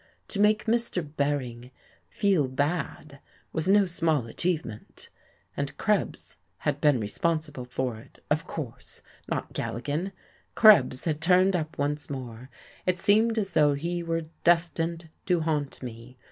To make Mr. Bering "feel bad" was no small achievement, and Krebs had been responsible for it, of course, not Galligan. Krebs had turned up once more! It seemed as though he were destined to haunt me.